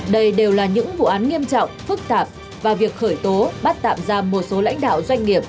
đây đều là những vụ án nghiêm trọng phức tạp và việc khởi tố bắt tạm ra một số lãnh đạo doanh nghiệp